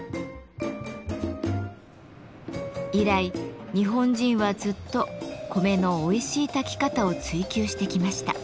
以来日本人はずっと米のおいしい炊き方を追求してきました。